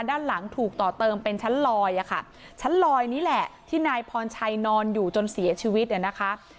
ด้านหลังถูกต่อเติมเป็นชั้นลอยอ่ะค่ะชั้นลอยนี่แหละที่นายพรชัยนอนอยู่จนเสียชีวิตเนี่ยนะคะ